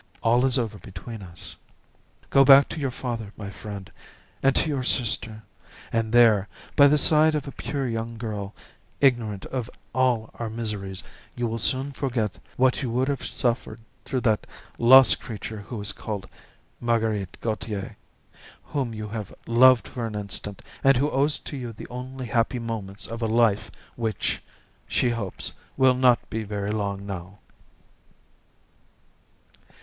All is over between us. "Go back to your father, my friend, and to your sister, and there, by the side of a pure young girl, ignorant of all our miseries, you will soon forget what you would have suffered through that lost creature who is called Marguerite Gautier, whom you have loved for an instant, and who owes to you the only happy moments of a life which, she hopes, will not be very long now."